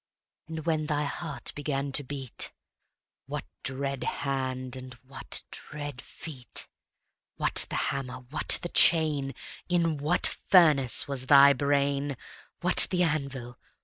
And when thy heart began to beat, What dread hand and what dread feet? What the hammer? what the chain? In what furnace was thy brain? What the anvil?